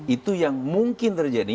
itu yang mungkin terjadi